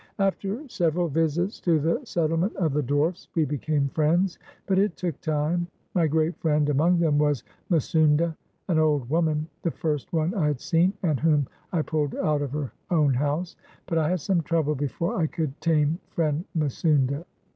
R, After several visits to the settlement of the dwarfs H^we became friends, but it took time. My great friend ^■among them was Misounda, an old woman, the first one ^Bl had seen, and whom I pulled out of her own house; but ^H[ had some trouble before I could tame friend Misounda.